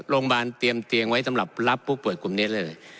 โรงพยาบาลเตรียมเตียงไว้สำหรับรับผู้ป่วยกลุ่มนี้เลย